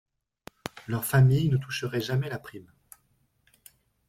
Leur famille ne toucherait jamais la prime.